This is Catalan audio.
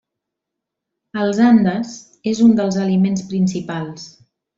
Als Andes és un dels aliments principals.